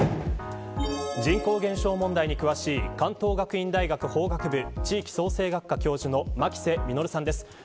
人口減少問題に詳しい関東学院大学、法学部地域創生学科教授の牧瀬稔さんです。